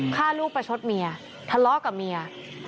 ฆ่าลูกประชดเมียทะเลาะกับเมีย